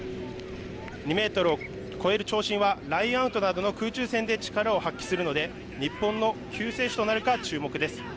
２メートルを超える長身はラインアウトなどの空中戦で力を発揮するので日本の救世主となるか、注目です。